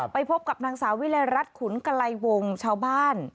ไปพบกับนางสาววิลัยรัฐขุนกะไลวงชาวบ้าน